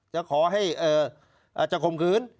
จะขอให้จะข่มขืน